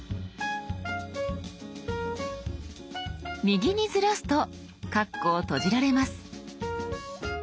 右にずらすとカッコを閉じられます。